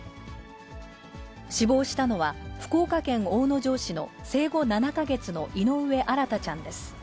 死亡したのは、福岡県大野城市の生後７か月の井上新大ちゃんです。